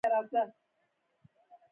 هغه مقدار مواد چې اندازه کوي کتله ده.